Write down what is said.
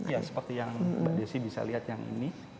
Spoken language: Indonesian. ya seperti yang mbak desi bisa lihat yang ini